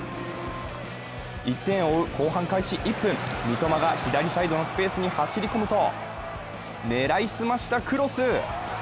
１点を追う後半開始１分、三笘が左サイドのスペースに走り込むと狙い澄ましたクロス。